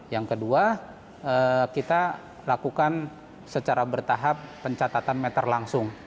yang kedua kita lakukan secara bertahap pencatatan meter langsung